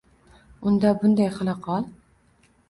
Unda bunday qila qol